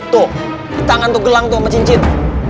tuh tangan tuh gelang tuh sama cincin